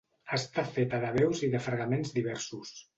Està feta de veus i de fregaments diversos.